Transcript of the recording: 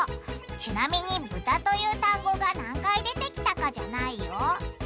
ちなみに「ブタ」という単語が何回出てきたかじゃないよ。